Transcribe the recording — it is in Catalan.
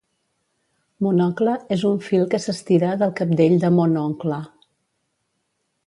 Monocle és un fil que s'estira del cabdell de Mon oncle.